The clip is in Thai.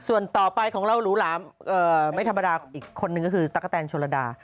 ส่วนต่อไปของเราหรูหลามไม่ธรรมดาอีกคนนึงก็คือตั๊กกะแตนชนระดา